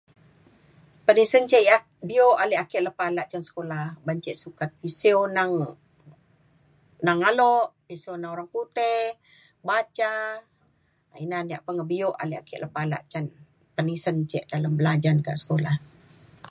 penisen ce' ya' biok alik ake lepa alak cung sekolah ban ce' sukat pisiu nang nang alok, pisiu na orang putih, baca. ina ya' pengebiok alik ake lepa alak cen penisen ce' dalem belajan ke sekolah.